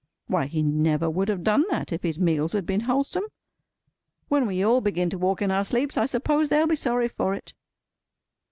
Why, he never would have done that if his meals had been wholesome. When we all begin to walk in our sleeps, I suppose they'll be sorry for it.